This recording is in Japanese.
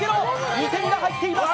２点が入っています。